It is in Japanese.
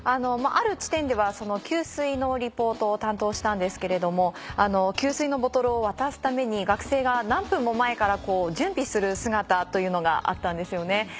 ある地点では給水のリポートを担当したんですけれども給水のボトルを渡すために学生が何分も前から準備する姿というのがあったんですよね。